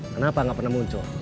kenapa gak pernah muncul